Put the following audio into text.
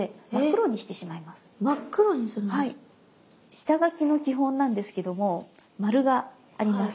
下書きの基本なんですけども丸があります。